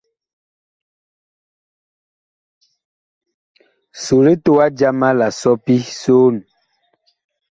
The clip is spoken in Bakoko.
So litowa jama la sɔpi soon.